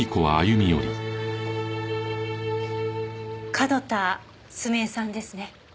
角田澄江さんですね？